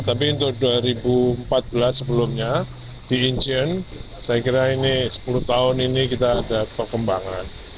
tapi untuk dua ribu empat belas sebelumnya di incheon saya kira ini sepuluh tahun ini kita ada perkembangan